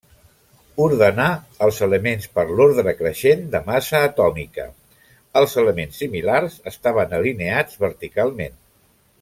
Ordenà els elements per l'ordre creixent de massa atòmica, els elements similars estaven alineats verticalment.